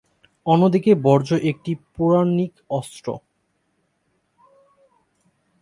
অন্যদিকে বজ্র একটি পৌরাণিক অস্ত্র।